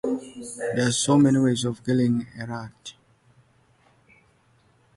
This poses the question, is the sacrifice of many worth anything?